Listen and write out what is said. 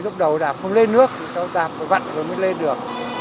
lúc đầu đạp không lên nước sau đạp vặn rồi mới lên được